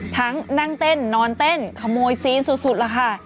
นั่งเต้นนอนเต้นขโมยซีนสุดล่ะค่ะ